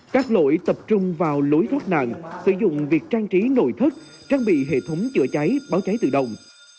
các lỗi tập trung vào lối thoát nạn sử dụng việc trang trí nội thức trang bị hệ thống chữa cháy báo cháy tự động